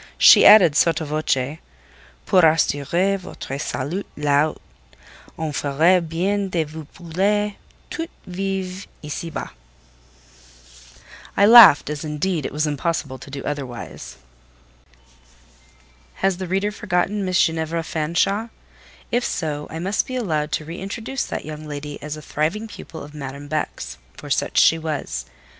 She added, sotto voce: "Pour assurer votre salut là haut, on ferait bien de vous brûler toute vive ici bas." I laughed, as, indeed, it was impossible to do otherwise. Has the reader forgotten Miss Ginevra Fanshawe? If so, I must be allowed to re introduce that young lady as a thriving pupil of Madame Beck's; for such she was.